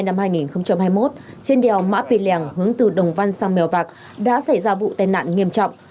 ngày một mươi tám tháng một mươi hai năm hai nghìn hai mươi một trên đèo mã pì lèng hướng từ đồng văn sang mèo vạc đã xảy ra vụ tên nạn nghiêm trọng